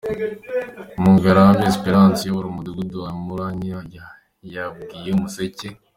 Mukangarambe Esperance uyobora Umudugudu wa Nyarunyinya yabwiye Umuseke.